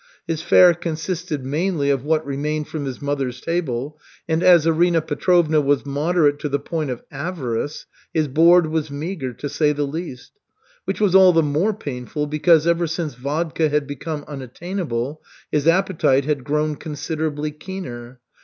His fare consisted mainly of what remained from his mother's table, and as Arina Petrovna was moderate to the point of avarice, his board was meagre, to say the least; which was all the more painful because ever since vodka had become unattainable, his appetite had grown considerably keener.